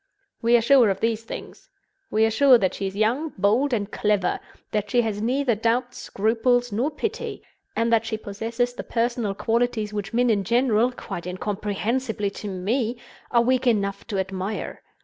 We are sure of these things. We are sure that she is young, bold, and clever—that she has neither doubts, scruples, nor pity—and that she possesses the personal qualities which men in general (quite incomprehensibly to me!) are weak enough to admire.